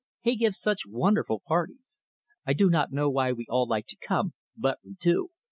He gives such wonderful parties. I do not know why we all like to come, but we do.